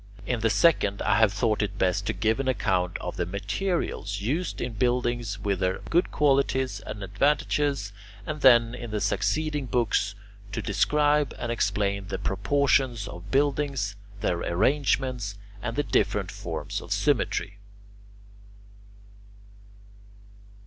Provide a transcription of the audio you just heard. In the second I have thought it best to give an account of the materials used in buildings with their good qualities and advantages, and then in the succeeding books to describe and explain the proportions of buildings, their arrangements, and the different forms of symmetry.